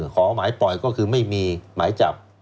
ขอหมายปล่อยก็คือไม่มีหมายจับ